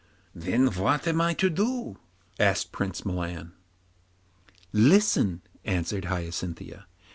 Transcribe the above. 'Then what am I to do?' asked Prince Milan. 'Listen,' answered Hyacinthia.